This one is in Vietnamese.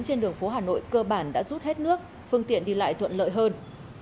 trên đường phố hà nội cơ bản đã rút hết nước phương tiện đi lại thuận lợi hơn